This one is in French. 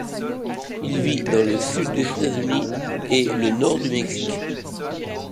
Il vit dans le sud des États-Unis et le nord du Mexique.